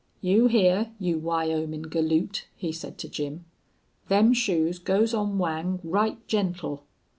"You hear, you Wyomin' galoot," he said to Jim. "Them shoes goes on Whang right gentle."